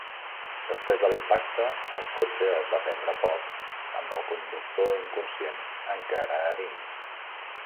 Després de l'impacte, el cotxe es va prendre foc, amb el conductor inconscient encara a dins.